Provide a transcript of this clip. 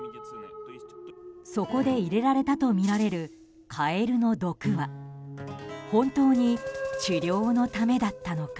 そこで入れられたとみられるカエルの毒は本当に治療のためだったのか。